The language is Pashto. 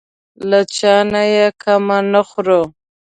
له چا نه یې کمه نه خورو.